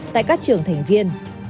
tại các trường thành viên